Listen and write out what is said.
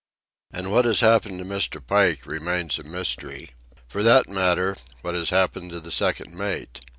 And what has happened to Mr. Pike remains a mystery. For that matter, what has happened to the second mate?